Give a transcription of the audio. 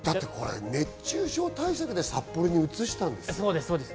熱中症対策で札幌に移したんですよ。